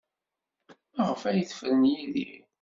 Maɣef ay tefren Yidir?